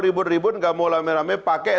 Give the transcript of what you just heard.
ribut ribut nggak mau rame rame pakai